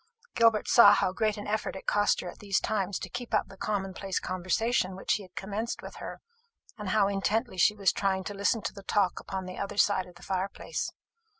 Gilbert saw how great an effort it cost her at these times to keep up the commonplace conversation which he had commenced with her, and how intently she was trying to listen to the talk upon the other side of the fire place.